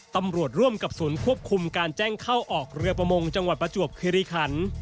ตำรวจร่วมกับศูนย์ควบคุมการแจ้งเข้าออกเรือประมงจังหวัดประจวบคิริคัน